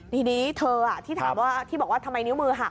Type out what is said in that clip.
ทีนี้เธอที่ถามว่าที่บอกว่าทำไมนิ้วมือหัก